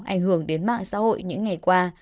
anh hưởng đến mạng xã hội những ngày qua